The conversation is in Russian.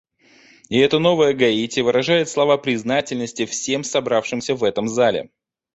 И эта новая Гаити выражает слова признательности всем собравшимся в этом зале.